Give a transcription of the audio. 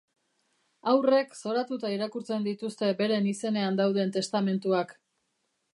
Haurrek zoratuta irakurtzen dituzte beren izenean dauden testamentuak.